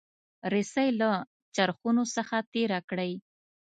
رسۍ له چرخونو څخه تیره کړئ.